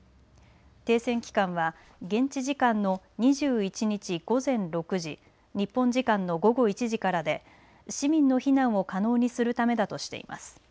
停戦期間は現地時間の２１日、午前６時日本時間の午後１時からで市民の避難を可能にするためだとしています。